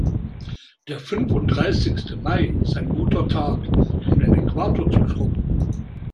Der fünfunddreißigste Mai ist ein guter Tag, um den Äquator zu schrubben.